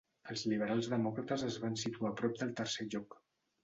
Els liberals demòcrates es van situar a prop del tercer lloc.